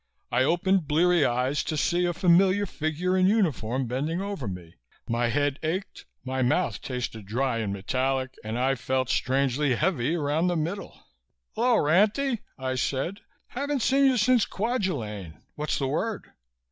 I opened bleary eyes to see a familiar figure in uniform bending over me. My head ached, my mouth tasted dry and metallic, and I felt strangely heavy around the middle. "Hully, Ranty," I said. "Haven't seen you since Kwajalein. What's the word?